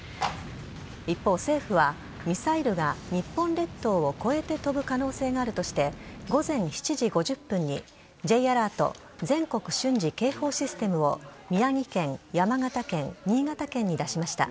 一方、政府はミサイルが日本列島を越えて飛ぶ可能性があるとして午前７時５０分にＪアラート＝全国瞬時警報システムを宮城県、山形県、新潟県に出しました。